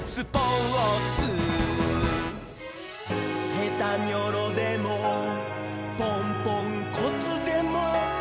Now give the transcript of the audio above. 「ヘタニョロでもポンポンコツでもいい」